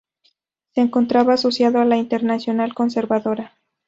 Se encontraba asociado a la Internacional Conservadora.